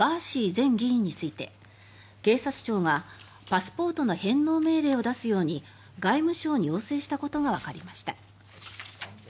前議員について警察庁がパスポートの返納命令を出すように外務省に要請したことがわかりました。